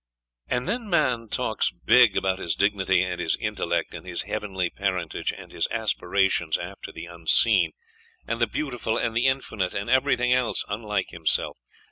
....'And then man talks big about his dignity and his intellect, and his heavenly parentage, and his aspirations after the unseen, and the beautiful, and the infinite and everything else unlike himself.